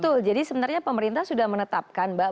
betul jadi sebenarnya pemerintah sudah menetapkan mbak